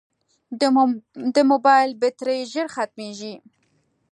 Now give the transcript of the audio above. د موبایل بیټرۍ ژر ختمیږي.